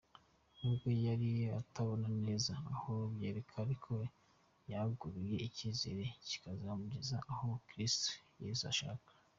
Nubwo yari atarabona neza aho byerekeza ariko yagaruye icyizere kizamugeza aho Kristu Yezu ashaka.